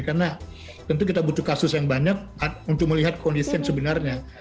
karena tentu kita butuh kasus yang banyak untuk melihat kondisi sebenarnya